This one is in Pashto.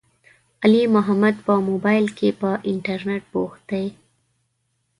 علي محمد په مبائل کې، په انترنيت بوخت دی.